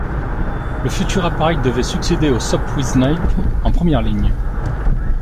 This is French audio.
Le futur appareil devait succéder au Sopwith Snipe en première ligne.